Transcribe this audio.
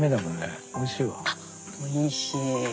あおいしい！